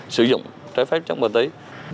sử dụng trái phép chất ma túy